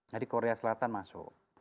jadi korea selatan masuk